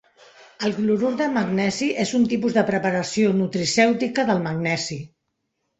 El clorur de magnesi és un tipus de preparació nutricèutica del magnesi.